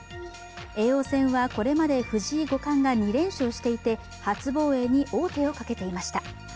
叡王戦はこれまで藤井五冠が２連勝していて初防衛に王手をかけていました。